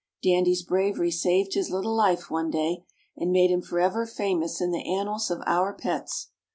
Dandy's bravery saved his little life one day, and made him forever famous in the annals of our pets.